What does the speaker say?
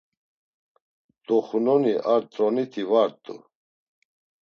Doxunoni ar troniti va rt̆u.